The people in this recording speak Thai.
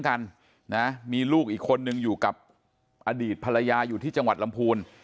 กันนะมีลูกอีกคนนึงอยู่กับอดีตภรรยาอยู่ที่จังหวัดลำพูน